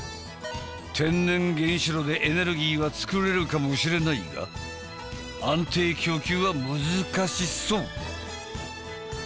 天然原子炉でエネルギーは作れるかもしれないが安定供給は難しそう。